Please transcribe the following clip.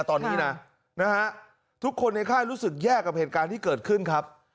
ตอนนี้นะทุกคนในค่ายรู้สึกแย่กับเหตุการณ์ที่เกิดขึ้นครับ